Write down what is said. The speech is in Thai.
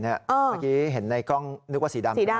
เมื่อกี้เห็นในกล้องนึกว่าสีดำใช่ไหม